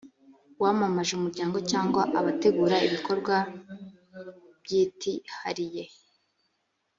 wamamaje umuryango cyangwa abategura ibikorwa bytihariye